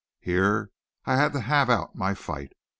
Here I had to have out my fight.